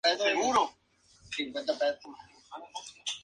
Estos fármacos no son específicos al ciclo celular.